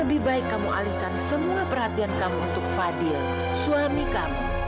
lebih baik kamu alihkan semua perhatian kamu untuk fadil suami kamu